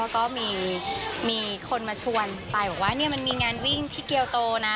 ก็มีคนมาชวนไปบอกว่ามันมีงานวิ่งที่เกียวโตนะ